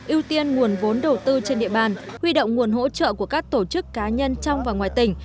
ưu tiên nguồn vốn đầu tư trên địa bàn huy động nguồn hỗ trợ của các tổ chức cá nhân trong và ngoài tỉnh